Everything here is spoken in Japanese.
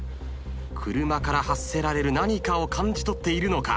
車から発せられる何かを感じ取っているのか？